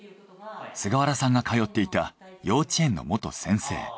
菅原さんが通っていた幼稚園の元先生。